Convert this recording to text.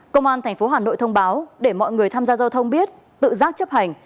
công an tp hà nội thông báo để mọi người tham gia giao thông biết tự giác chấp hành